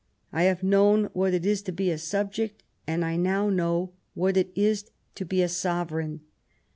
I have known what it is to be a subject, and I now know what it is to be a sovereign.